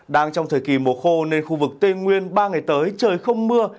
đang trong thời kỳ mùa khô nên khu vực tây nguyên ba ngày tới trời không mưa